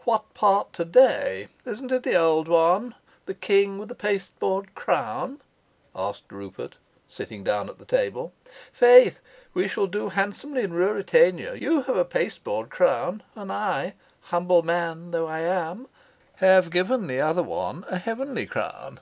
"What part to day? Isn't it the old one, the king with a pasteboard crown?" asked Rupert, sitting down on the table. "Faith, we shall do handsomely in Ruritania: you have a pasteboard crown, and I (humble man though I am) have given the other one a heavenly crown.